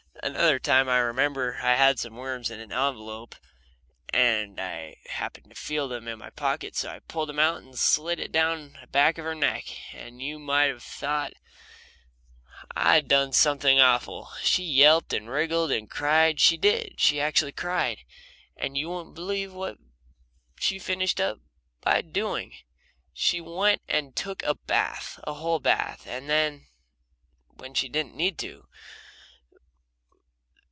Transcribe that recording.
Another time I remember I had some worms in an envelope, and I happened to feel them in my pocket, so I pulled out one and slid it down the back of her neck, and you'd have thought I'd done something awful. She yelped and wriggled and cried she did she actually cried. And you wouldn't believe what she finished up by doing she went and took a bath! A whole bath when she didn't have to!